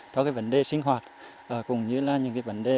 có vấn đề sinh hoạt cũng như những vấn đề